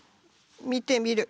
見てみる。